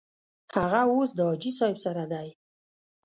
هغه اوس د حاجي صاحب سره دی.